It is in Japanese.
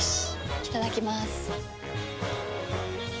いただきまーす。